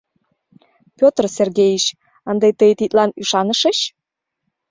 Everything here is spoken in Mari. Пӧтр Сергеич, ынде тый тидлан ӱшанышыч?